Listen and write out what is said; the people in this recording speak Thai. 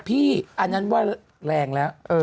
อันนั้นว่าแรงแล้ว